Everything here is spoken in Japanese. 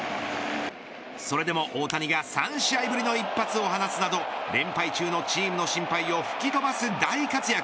それでも大谷が３試合ぶりの一発を放つなど連敗中のチームの心配を吹き飛ばす大活躍。